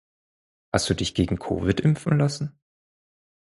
Hast du dich gegen Covid impfen lassen?